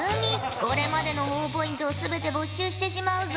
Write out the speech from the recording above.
これまでのほぉポイントを全て没収してしまうぞ。